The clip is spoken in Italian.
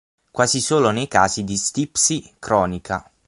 Quasi solo nei casi di stipsi cronica